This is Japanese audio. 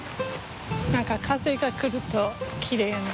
何か風が来るときれいやな。